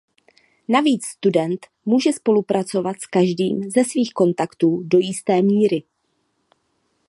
Navíc student může spolupracovat s každým ze svých kontaktů do jisté míry.